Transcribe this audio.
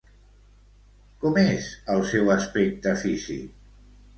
Com és el seu aspecte físic?